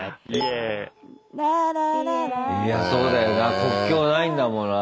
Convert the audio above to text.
いやそうだよな国境ないんだもんな。